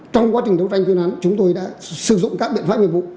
trong quá trình đấu tranh chuyên án chúng tôi đã sử dụng các biện pháp nghiệp vụ